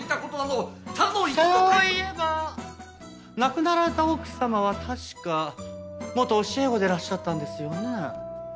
そういえば亡くなられた奥様は確か元教え子でいらっしゃったんですよね？